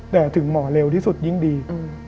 แต่ถึงหมอเร็วที่สุดยิ่งดี